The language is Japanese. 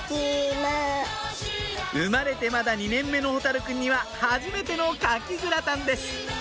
生まれてまだ２年目のほたるくんにははじめてのカキグラタンです